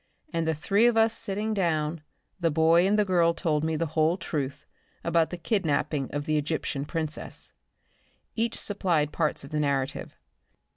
And the three of us sitting down, the boy and the girl told me the whole truth about the kidnapping of the Egyptian princess. Each supplied parts of the narrative.